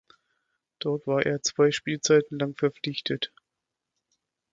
Dort war er zwei Spielzeiten lang verpflichtet.